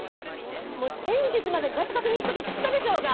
もう前日までに場所確認しとけっつったでしょうが！